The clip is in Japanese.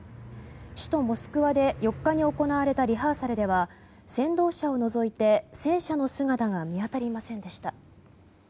首都モスクワで４日に行われたリハーサルでは先導車を除いて戦車の姿が見当たりませんでした。